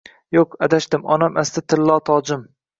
Yuq adashdim onam asli tillo tojim